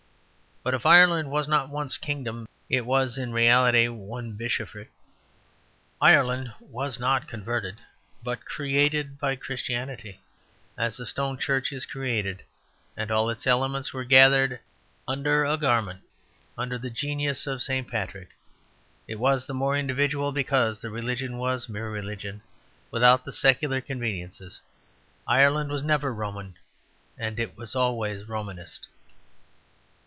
But if Ireland was not one kingdom it was in reality one bishopric. Ireland was not converted but created by Christianity, as a stone church is created; and all its elements were gathered as under a garment, under the genius of St. Patrick. It was the more individual because the religion was mere religion, without the secular conveniences. Ireland was never Roman, and it was always Romanist.